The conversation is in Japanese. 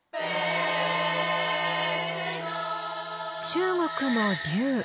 中国の竜。